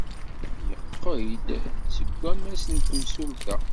Yeqqel-d seg wammas n temsulta.